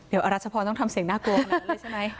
เดี๋ยวอรัชพรต้องทำเสียงน่ากลัวแบบนี้ใช่ไหม